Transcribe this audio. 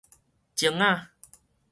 前仔